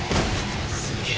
すげえ